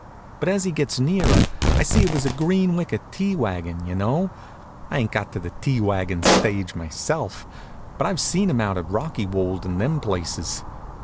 But as he gets nearer I see it was a green wicker tea wagon you know. I ain't got to the tea wagon stage myself, but I've seen 'em out at Rockywold and them places.